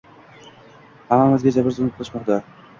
Hammamizga jabr-zulm qilishmoqda